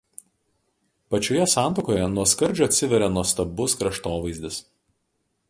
Pačioje santakoje nuo skardžio atsiveria nuostabus kraštovaizdis.